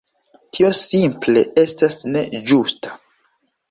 Tio simple estas ne ĝusta.